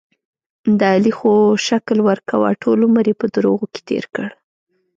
د علي خو شکل ورکوه، ټول عمر یې په دروغو کې تېر کړ.